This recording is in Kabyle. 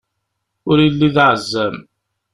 Ur illi d aɛezzam!